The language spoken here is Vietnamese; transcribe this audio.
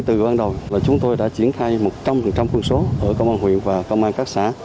từ ban đầu là chúng tôi đã triển khai một trăm linh quân số ở công an huyện và công an các xã